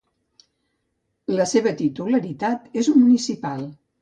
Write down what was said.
La seva titularitat és municipal.